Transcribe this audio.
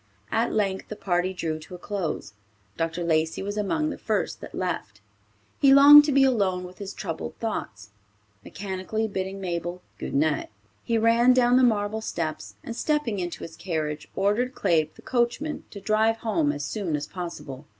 At length the party drew to a close. Dr. Lacey was among the first that left. He longed to be alone with his troubled thoughts. Mechanically bidding Mabel "Good night," he ran down the marble steps, and stepping into his carriage, ordered Claib, the coachman, to drive home as soon as possible.